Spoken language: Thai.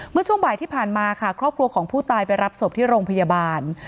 เมื่อช่วงบ่ายที่ผ่านมาค่ะครอบครัวของผู้ตายไปรับศพที่โรงพยาบาล